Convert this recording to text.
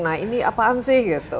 nah ini apaan sih gitu